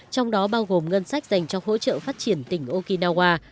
trong đó bao gồm ngân sách dành cho hỗ trợ phát triển tỉnh okinawa